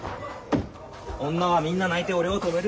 女はみんな泣いて俺を止めるんだよ。